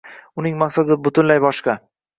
Uning maqsadi butunlay boshqa